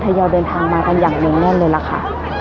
ยอยเดินทางมากันอย่างเนื่องแน่นเลยล่ะค่ะ